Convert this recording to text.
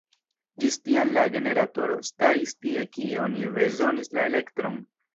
Ĝis tiam la generatoro staris tie kie oni bezonis la elektron.